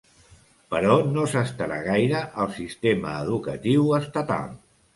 Però no s'estarà gaire al sistema educatiu estatal.